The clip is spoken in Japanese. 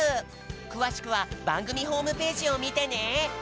くわしくはばんぐみホームページをみてね。